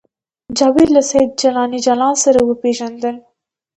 جاوید له سید جلاني جلان سره وپېژندل